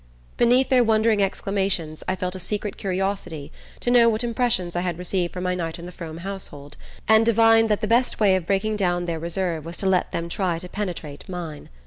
Beneath their wondering exclamations I felt a secret curiosity to know what impressions I had received from my night in the Frome household, and divined that the best way of breaking down their reserve was to let them try to penetrate mine.